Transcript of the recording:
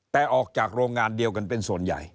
แต่ออกจากโรงงานเดียวกันเป็นส่วนใหญ่